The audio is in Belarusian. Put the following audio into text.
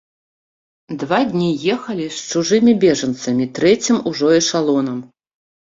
Два дні ехалі з чужымі бежанцамі трэцім ужо эшалонам.